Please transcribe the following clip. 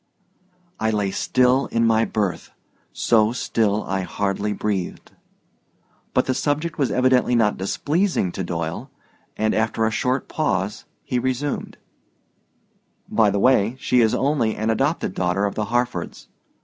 I lay still in my berth—so still I hardly breathed. But the subject was evidently not displeasing to Doyle, and after a short pause he resumed: "By the way, she is only an adopted daughter of the Harfords.